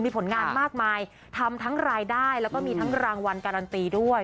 มีผลงานมากมายทำทั้งรายได้แล้วก็มีทั้งรางวัลการันตีด้วย